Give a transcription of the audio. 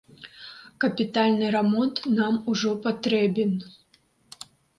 Капітальны рамонт нам ужо патрэбен.